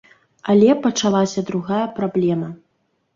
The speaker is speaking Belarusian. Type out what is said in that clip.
Але пачалася другая праблема.